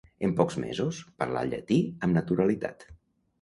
En pocs mesos, parlà llatí amb naturalitat.